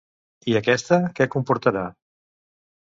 I aquesta què comportarà?